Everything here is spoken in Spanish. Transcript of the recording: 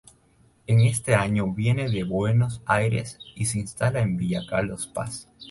En ese año viene de Buenos Aires y se instala en Villa Carlos Paz.